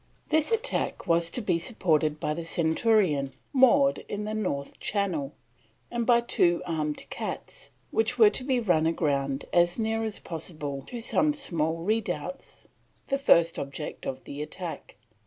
This attack was to be supported by the Centurion, moored in the north channel, and by two armed cats which were to be run aground as near as possible to some small redoubts, the first object of the attack.